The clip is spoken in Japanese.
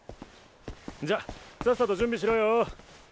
んじゃさっさと準備しろよ。